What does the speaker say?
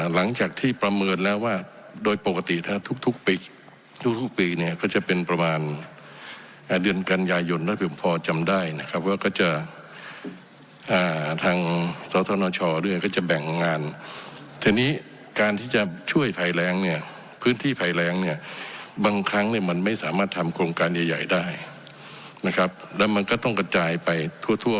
หลังจากที่ประเมินแล้วว่าโดยปกติถ้าทุกปีทุกปีเนี่ยก็จะเป็นประมาณเดือนกันยายนแล้วถึงพอจำได้นะครับว่าก็จะทางสธนชด้วยก็จะแบ่งงานทีนี้การที่จะช่วยภัยแรงเนี่ยพื้นที่ภัยแรงเนี่ยบางครั้งเนี่ยมันไม่สามารถทำโครงการใหญ่ใหญ่ได้นะครับแล้วมันก็ต้องกระจายไปทั่ว